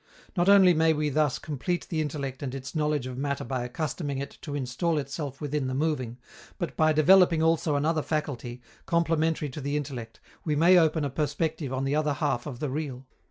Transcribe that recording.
Not only may we thus complete the intellect and its knowledge of matter by accustoming it to install itself within the moving, but by developing also another faculty, complementary to the intellect, we may open a perspective on the other half of the real.